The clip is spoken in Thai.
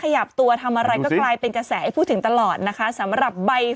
ขยับตัวทำอะไรก็กลายเป็นกระแสให้พูดถึงตลอดนะคะสำหรับใบ